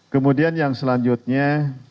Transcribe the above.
kemudian yang selanjutnya